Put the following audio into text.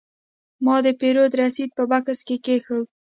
ما د پیرود رسید په بکس کې کېښود.